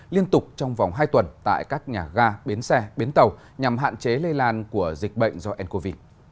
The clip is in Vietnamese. liên tục trong vòng hai tuần tại các nhà ga bến xe bến tàu nhằm hạn chế lây lan của dịch bệnh do ncov